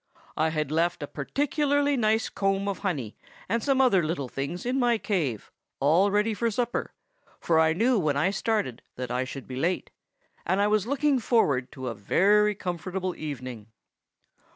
I had left a particularly nice comb of honey and some other little things in my cave, all ready for supper, for I knew when I started that I should be late, and I was looking forward to a very comfortable evening.